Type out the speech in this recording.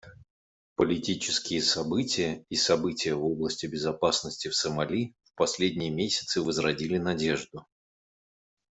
Политические события и события в области безопасности в Сомали в последние месяцы возродили надежду.